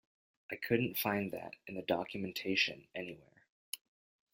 I couldn't find that in the documentation anywhere.